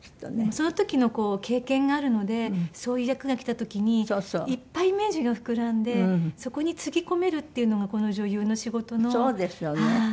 その時の経験があるのでそういう役が来た時にいっぱいイメージが膨らんでそこにつぎ込めるっていうのがこの女優の仕事の。